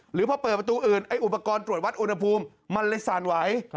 หรือพอเปิดประตูอื่นไอ้อุปกรณ์ตรวจวัดอุณหภูมิมันเลยสั่นไหว